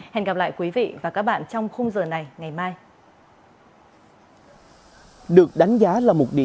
hẹn gặp lại quý vị và các bạn trong khung giờ này ngày mai